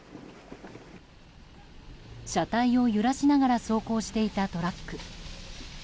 車体を揺らしながら走行していたトラック。